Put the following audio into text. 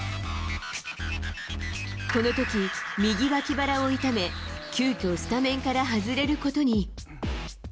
このとき右脇腹を痛め、急きょスタメンから外れることに。